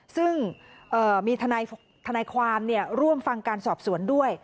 ซึ่งมีทนายความร่วมฟังการสอบสวนด้วย